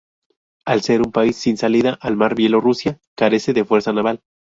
Al ser un país sin salida al mar, Bielorrusia carece de fuerza naval.